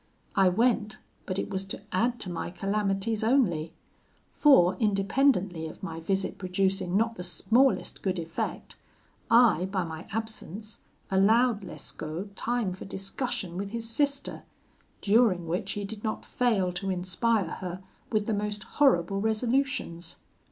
I went, but it was to add to my calamities only; for, independently of my visit producing not the smallest good effect, I, by my absence, allowed Lescaut time for discussion with his sister, during which he did not fail to inspire her with the most horrible resolutions.